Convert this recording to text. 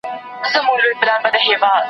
تر قیامته به یې خپل وهل په زړه وي.